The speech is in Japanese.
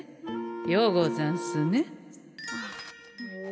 ようござんすね？